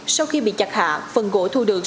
sau khi bị chặt hạ phần gỗ thu được